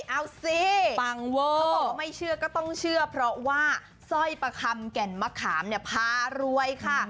เอาสิเขาบอกว่าไม่เชื่อก็ต้องเชื่อเพราะว่าสร้อยประคำแก่นมะขามเนี่ยพารวยค่ะ